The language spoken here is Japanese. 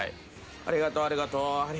ありがとうありがとう。